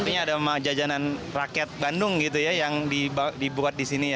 artinya ada jajanan rakyat bandung gitu ya yang dibuat di sini ya